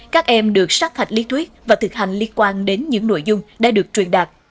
các em được sát hạch lý thuyết và thực hành liên quan đến những nội dung đã được truyền đạt